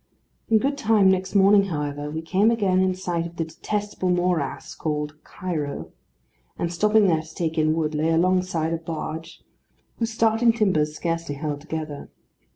In good time next morning, however, we came again in sight of the detestable morass called Cairo; and stopping there to take in wood, lay alongside a barge, whose starting timbers scarcely held together.